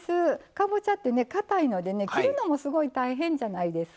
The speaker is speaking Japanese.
かぼちゃってかたいので切るのもすごい大変じゃないですか。